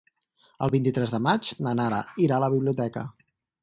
El vint-i-tres de maig na Nara irà a la biblioteca.